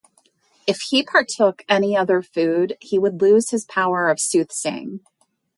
If he partook of any other food he would lose his power of soothsaying.